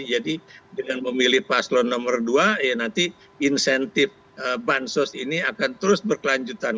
jadi dengan memilih paslon nomor dua ya nanti incentive bansos ini akan terus berkelanjutan